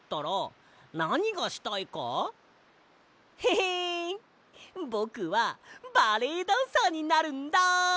ヘへンぼくはバレエダンサーになるんだ！